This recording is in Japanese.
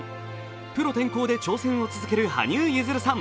プロ転向で挑戦を続ける羽生結弦さん。